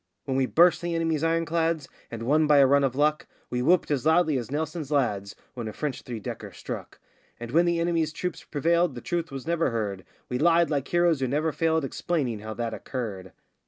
When we burst the enemy's ironclads and won by a run of luck, We whooped as loudly as Nelson's lads when a French three decker struck; And when the enemy's troops prevailed the truth was never heard We lied like heroes who never failed explaining how that occurred.